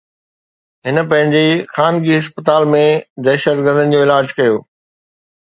هن پنهنجي خانگي اسپتال ۾ دهشتگردن جو علاج ڪيو